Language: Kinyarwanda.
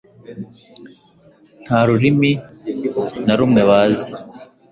nta rurimi na rumwe bazi